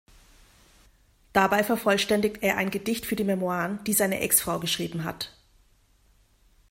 Dabei vervollständigt er ein Gedicht für die Memoiren, die seine Ex-Frau geschrieben hat.